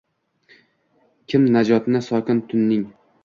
Kim najotni sokin tunning